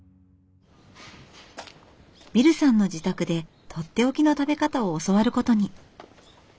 ビルさんの自宅で取って置きの食べ方を教わることに。